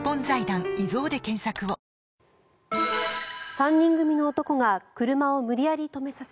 ３人組の男が車を無理やり止めさせ